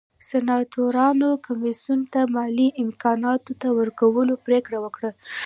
سناتورانو کمېسیون ته مالي امکاناتو نه ورکولو پرېکړه وکړه